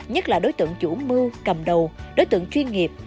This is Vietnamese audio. nhất là đối tượng chủ mưu cầm đầu đối tượng chuyên nghiệp